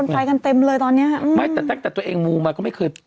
ไปกันเต็มเลยตอนเนี้ยอืมไม่แต่ตั้งแต่ตัวเองมูมาก็ไม่เคย